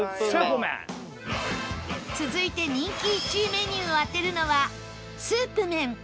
続いて人気１位メニューを当てるのは